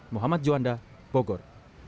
muhammad juanda bogor